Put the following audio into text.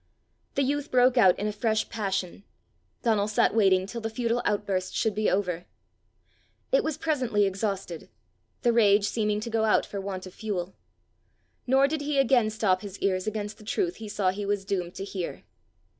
The youth broke out in a fresh passion. Donal sat waiting till the futile outburst should be over. It was presently exhausted, the rage seeming to go out for want of fuel. Nor did he again stop his ears against the truth he saw he was doomed to hear.